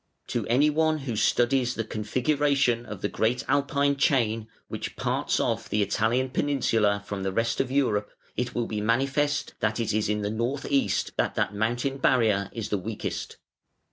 To anyone who studies the configuration of the great Alpine chain, which parts off the Italian peninsula from the rest of Europe, it will be manifest that it is in the north east that that mountain barrier is the weakest.